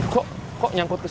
kok nyangkut ke situ